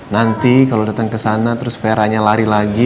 nanti kalau datang kesana terus veranya lari lagi